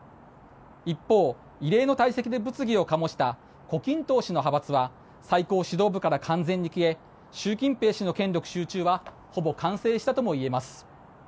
一方、異例の退席で物議を醸した胡錦涛氏の派閥は最高指導部から完全に消え習近平氏の権力集中はほぼ完成したともいえます。